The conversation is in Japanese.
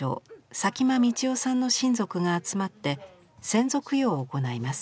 佐喜眞道夫さんの親族が集まって先祖供養を行います。